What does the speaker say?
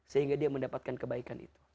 sehingga dia mendapatkan kebaikan itu